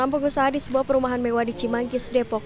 enam pengusaha di sebuah perumahan mewah di cimangkis depok